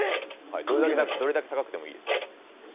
はいどれだけ高くてもいいです。